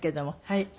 はい。